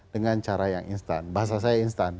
dengan cara yang instan